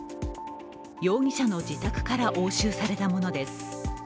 容疑者の自宅から押収されたものです。